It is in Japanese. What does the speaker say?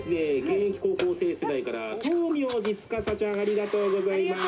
現役高校生世代から豆苗寺司ちゃんありがとうございます。